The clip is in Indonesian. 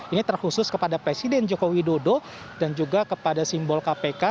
ini terkhusus kepada presiden joko widodo dan juga kepada simbol kpk